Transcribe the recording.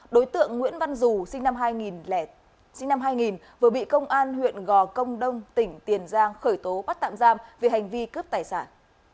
đối tượng nguyễn văn dù sinh năm hai nghìn vừa bị công an huyện gò công đông tỉnh tiền giang khởi tố bắt tạm giam vì hành vi cướp tài sản